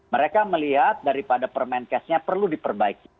mereka melihat daripada permenkesnya perlu diperbaiki